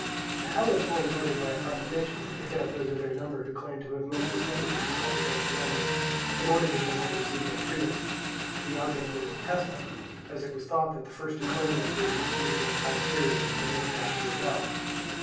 The Helots were invited by a proclamation to pick out those of their number who claimed to have most distinguished themselves against the enemy, in order that they might receive their freedom; the object being to test them, as it was thought that the first to claim their freedom would be the most high spirited and the most apt to rebel.